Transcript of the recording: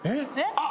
あっ！